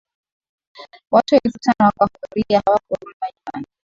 watu elfu tano wakahudhuria hawakurudi majumbani